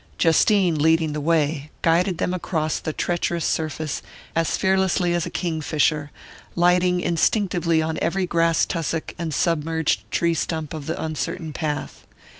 Justine, leading the way, guided them across the treacherous surface as fearlessly as a king fisher, lighting instinctively on every grass tussock and submerged tree stump of the uncertain path.